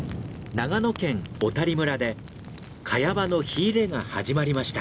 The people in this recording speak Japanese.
長野県小谷村でカヤ場の火入れが始まりました。